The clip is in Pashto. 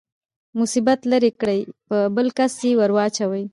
مصیبت لرې کړي په بل کس يې ورواچوي.